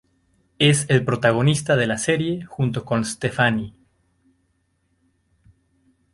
Es el protagonista de la serie junto con Stephanie.